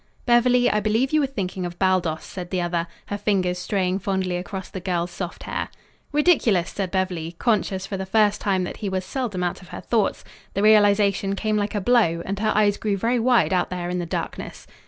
"Beverly, I believe you were thinking of Baldos," said the other, her fingers straying fondly across the girl's soft hair. "Ridiculous!" said Beverly, conscious for the first time that he was seldom out of her thoughts. The realization came like a blow, and her eyes grew very wide out there in the darkness.